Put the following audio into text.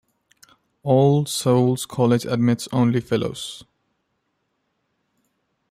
All Souls College admits only Fellows.